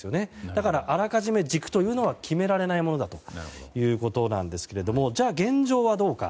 だから、あらかじめ軸というのは決められないものということなんですがじゃあ、現状はどうか。